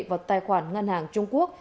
vào tài khoản ngân hàng trung quốc